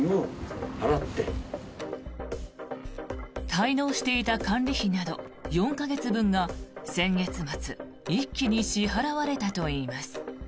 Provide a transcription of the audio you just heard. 滞納していた管理費など４か月分が先月末一気に支払われたといいます。